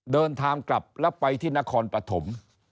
เดินทางกลับแล้วไปที่นครปฐม